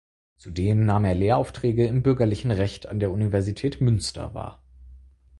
Zudem nahm er Lehraufträge im bürgerlichen Recht an der Universität Münster wahr.